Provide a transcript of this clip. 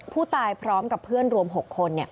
พร้อมกับเพื่อนรวม๖คน